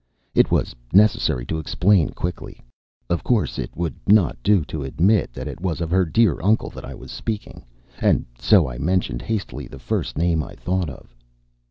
It was necessary to explain quickly. Of course, it would not do to admit that it was of her dear uncle that I was speaking; and so I mentioned hastily the first name I thought of.